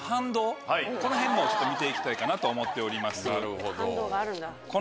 このへんも見て行きたいかなと思っております。